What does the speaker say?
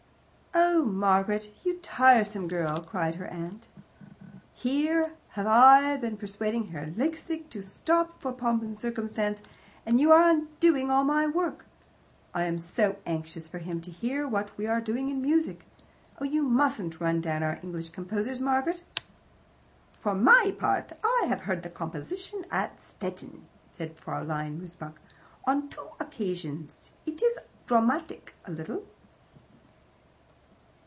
"Oh, Margaret, you tiresome girl!" cried her aunt. "Here have I been persuading Herr Liesecke to stop for POMP AND CIRCUMSTANCE, and you are undoing all my work. I am so anxious for him to hear what we are doing in music. Oh, you mustn't run down our English composers, Margaret." "For my part, I have heard the composition at Stettin," said Fraulein Mosebach. "On two occasions. It is dramatic, a little."